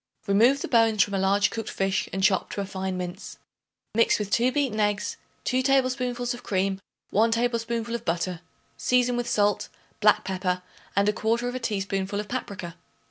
Remove the bones from a large cooked fish and chop to a fine mince. Mix with 2 beaten eggs, 2 tablespoonfuls of cream, 1 tablespoonful of butter, season with salt, black pepper and 1/4 teaspoonful of paprica.